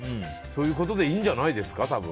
そういうことでいいんじゃないですか、多分。